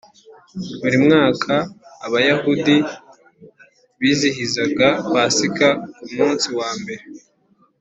Buri mwaka Abayahudi bizihizaga Pasika ku munsi wambere